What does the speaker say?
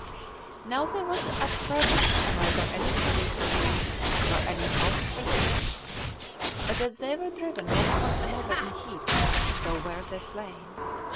Now there was at present neither any place for flight, nor any hope of preservation; but as they were driven one upon another in heaps, so were they slain.